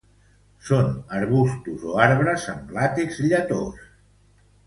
Són arbustos o arbres amb làtex lletós.